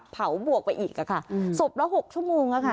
บวกไปอีกค่ะศพละ๖ชั่วโมงค่ะ